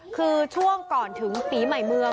คือช่วงก่อนถึงปีใหม่เมือง